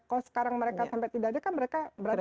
kalau sekarang mereka sampai tidak ada kan mereka berantem